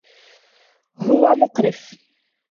هو مقرف.